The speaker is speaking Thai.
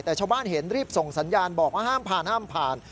แต่ชาวบ้านเห็นรีบส่งสัญญาณบอกว่าห้ามผ่านห้ามผ่าน